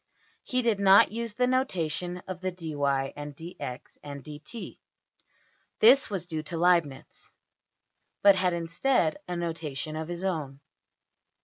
He did not use the notation of the $dy$ and~$dx$, and~$dt$ (this was due to Leibnitz), but had instead a notation of his own.